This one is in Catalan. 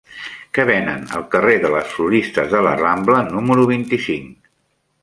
Què venen al carrer de les Floristes de la Rambla número vint-i-cinc?